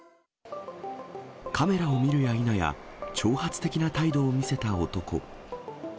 カメラを見るやいなや、挑発的な態度を見せた男。